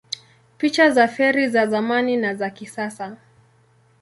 Picha za feri za zamani na za kisasa